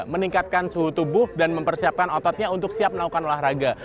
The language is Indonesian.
meningkatkan suhu tubuh dan mempersiapkan ototnya untuk siap melakukan olahraga